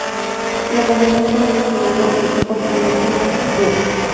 La compañía actualmente se llama El Orfanato Music Group.